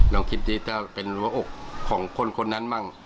ลองคิดดีถ้าเป็นหัวอกของคนคนนั้นบ้าง